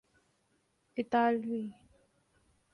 اطالوی